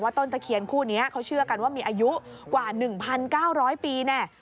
ต้นตะเคียนคู่นี้เขาเชื่อกันว่ามีอายุกว่า๑๙๐๐ปีแน่